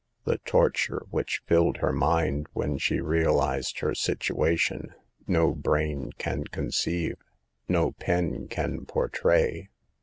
The torture which filled her mind when she realized her situation no brain can conceive, no pen can portray.